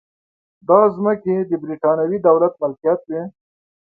دا ځمکې د برېټانوي دولت ملکیت وې.